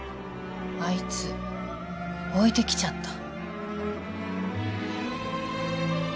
あいつ置いてきちゃった。